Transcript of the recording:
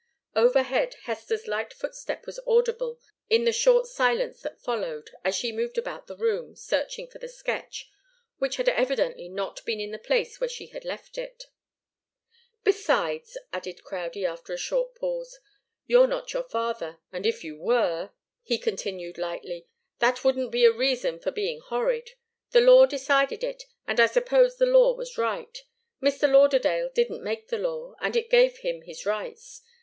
Overhead, Hester's light footstep was audible in the short silence that followed, as she moved about the room, searching for the sketch, which had evidently not been in the place where she had left it. "Besides," added Crowdie, after a short pause, "you're not your father. And if you were," he continued, lightly, "that wouldn't be a reason for being horrid. The law decided it, and I suppose the law was right. Mr. Lauderdale didn't make the law, and it gave him his rights.